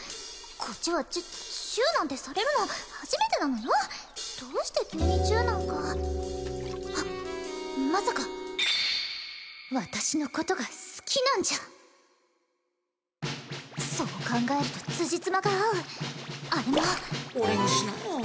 こっちはチチューなんてされるの初めてなのよどうして急にチューなんかはっまさか私のことが好きなんじゃそう考えるとつじつまが合うあれも俺にしなよ